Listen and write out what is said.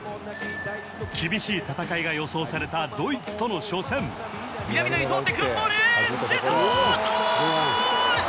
厳しい戦いが予想されたドイツとの初戦南野に通ってクロスボールシュート！